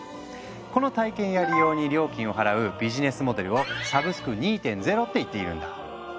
この体験や利用に料金を払うビジネスモデルを「サブスク２．０」って言っているんだ。